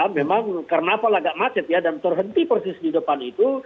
memang karnaval agak macet ya dan terhenti persis di depan itu